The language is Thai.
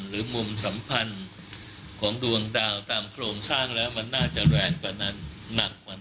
หรือมุมสัมพันธ์ของดวงดาวตามโครงสร้างแล้วมันน่าจะแรงกว่านั้นหนักกว่านั้น